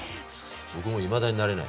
僕もいまだに慣れない。